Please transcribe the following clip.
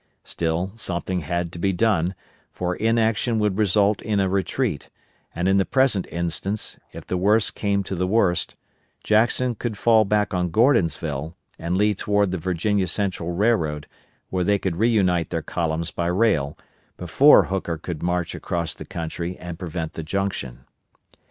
Still, something had to be done, for inaction would result in a retreat, and in the present instance, if the worst came to the worst, Jackson could fall back on Gordonsville, and Lee toward the Virginia Central Railroad, where they could reunite their columns by rail, before Hooker could march across the country and prevent the junction.